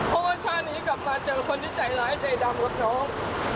เพราะว่าชาตินี้กลับมาเจอคนที่ใจร้ายใจดำกว่าน้อง